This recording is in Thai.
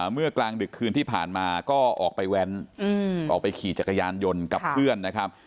เมื่อกลางดึกคืนที่ผ่านมาก็ออกไปแว้นออกไปขี่จักรยานยนต์กับเพื่อนนะครับ